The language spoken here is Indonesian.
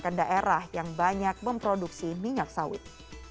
merupakan daerah yang banyak memproduksi minyak sawit